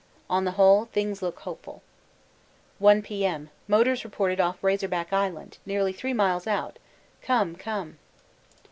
On the whole things look hopeful. 1 P.M. motors reported off Razor Back Island, nearly 3 miles out come, come!